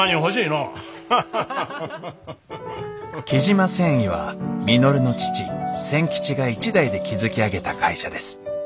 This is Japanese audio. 雉真繊維は稔の父千吉が一代で築き上げた会社です。